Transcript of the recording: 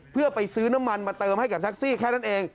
เพื่อไปซื้อน้ำมันมาเติมให้กับแท็กซี่แค่นั้นเอง